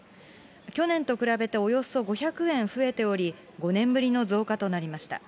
去年と比べておよそ５００円増えており、５年ぶりの増加となりました。